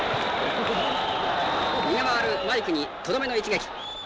逃げ回るマイクにとどめの一撃。